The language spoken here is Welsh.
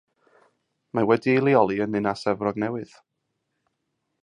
Mae wedi'i leoli yn Ninas Efrog Newydd.